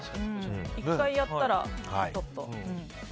１回やったらちょっと。